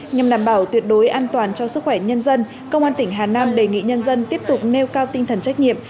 nhằm đảm bảo tuyệt đối an toàn cho sức khỏe nhân dân công an tỉnh hà nam đề nghị nhân dân tiếp tục nêu cao tinh thần trách nhiệm